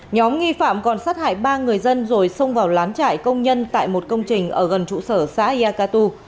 nhóm nghi phạm còn sát hại ba người dân rồi xông vào lán trại công nhân tại một công trình ở gần trụ sở xã iacatu